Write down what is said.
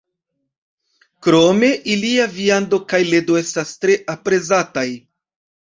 Krome, ilia viando kaj ledo estas tre aprezataj.